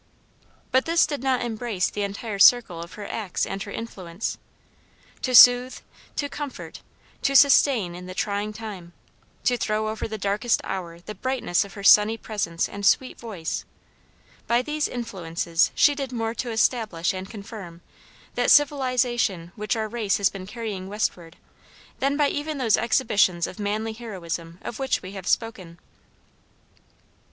But this did not embrace the entire circle of her acts and her influence. To soothe, to comfort, to sustain in the trying time, to throw over the darkest hour the brightness of her sunny presence and sweet voice by these influences she did more to establish and confirm, that civilization which our race has been carrying westward, than by even those exhibitions of manly heroism of which we have spoken.